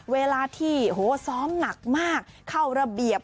เวลาที่ซ้อมหนักมากเข้าระเบียบ